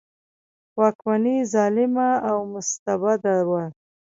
واکمني ظالمه او مستبده وه.